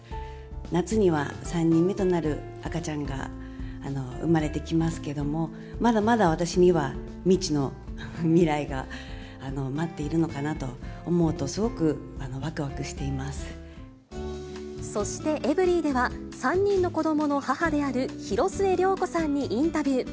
夏には３人目となる赤ちゃんが産まれてきますけれども、まだまだ私には未知の未来が待っているのかなと思うと、すごくわそして、エブリィでは、３人の子どもの母である広末涼子さんにインタビュー。